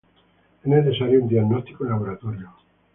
Es necesario un diagnóstico en laboratorio.